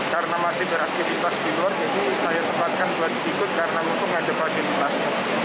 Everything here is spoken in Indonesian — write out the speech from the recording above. karena masih beraktivitas di luar jadi saya sempatkan buat ikut karena mumpung ada pasien kelas